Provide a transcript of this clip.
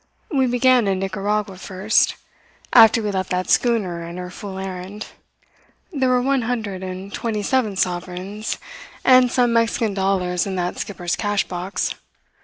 We began in Nicaragua first, after we left that schooner and her fool errand. There were one hundred and twenty seven sovereigns and some Mexican dollars in that skipper's cash box.